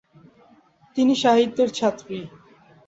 তিনি সাহিত্যের ছাত্রী।